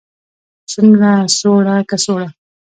څومره, څوړه، کڅوړه